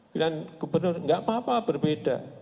pilihan gubernur enggak apa apa berbeda